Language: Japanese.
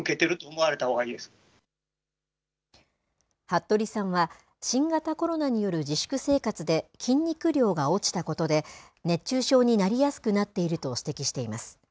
服部さんは、新型コロナによる自粛生活で筋肉量が落ちたことで、熱中症になりやすくなっていると指摘しています。